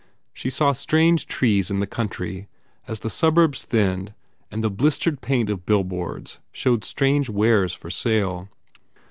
She saw strange trees in the country as the suburbs thinned and the blistered paint of billboards showed strange wares for sale.